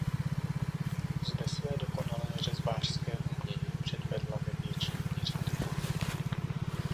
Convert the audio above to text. Zde své dokonalé řezbářské umění předvedla ve větším měřítku.